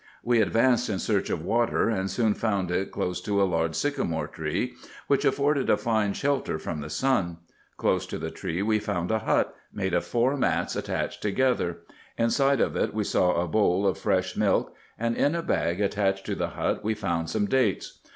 We ad vanced in search of water, and soon found it close to a large syca more tree, which afforded a fine shelter from the sun ; close to the tree we found a hut, made of four mats attached together ; inside of it we saw a bowl of fresh milk, and in a bag attached to the hut we found some dates.